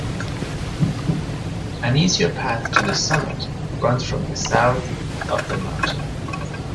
An easier path to the summit runs from the south of the mountain.